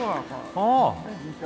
ああ！